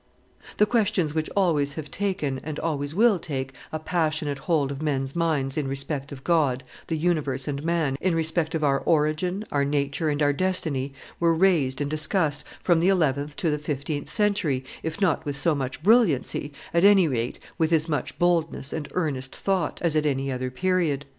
The questions which always have taken and always will take a passionate hold of men's minds in respect of God, the universe, and man, in respect of our origin, our nature, and our destiny, were raised and discussed, from the eleventh to the fifteenth century, if not with so much brilliancy, at any rate with as much boldness and earnest thought, as at any other period.